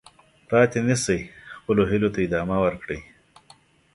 پاتې نه شئ، خپلو هیلو ته ادامه ورکړئ.